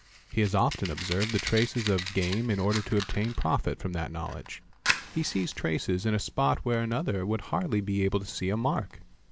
He has often observed the traces of game in order to obtain profit from that knowledge. He sees traces in a spot where another would hardly be able to see a mark.